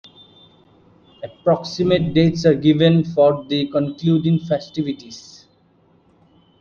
Approximate dates are given for the concluding festivities.